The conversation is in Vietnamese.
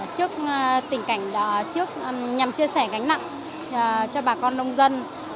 trước tình cảnh trước nhằm chia sẻ gánh nặng cho bà con nông dân